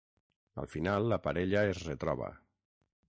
Al final, la parella es retroba.